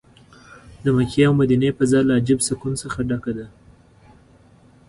د مکې او مدینې فضا له عجب سکون څه ډکه ده.